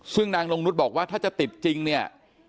ซึ่งนางนงนุษย์บอกว่าถ้าจะติดจริงเนี่ย